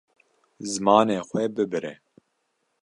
Zimanê xwe bibire.